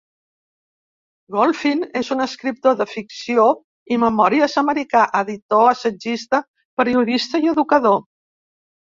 Golphin és un escriptor de ficció i memòries americà, editor, assagista, periodista i educador.